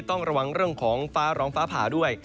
ต้องระวังเรื่องของฟ้าร้องฟ้าผ่าด้วย